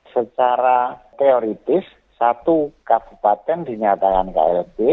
secara teoritis satu kabupaten dinyatakan klb